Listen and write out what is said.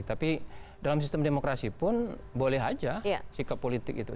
tapi dalam sistem demokrasi pun boleh aja sikap politik itu